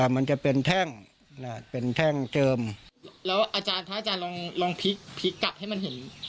มันจะเป็นแท่งเป็นแท่งเจิมแล้วอาจารย์คะอาจารย์ลองพลิกกะให้มันเห็น